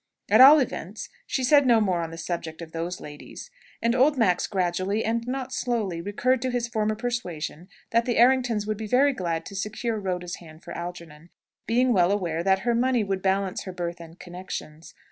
At all events, she said no more on the subject of those ladies. And old Max gradually, and not slowly, recurred to his former persuasion that the Erringtons would be very glad to secure Rhoda's hand for Algernon, being well aware that her money would balance her birth and connections.